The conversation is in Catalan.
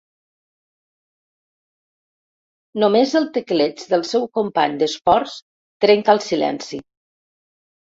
Només el tecleig del seu company d'esports trenca el silenci.